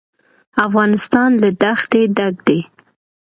افغانستان له دښتې ډک دی.